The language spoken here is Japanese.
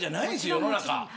世の中。